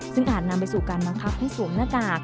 ซึ่งอาจนำไปสู่การบังคับให้สวมหน้ากาก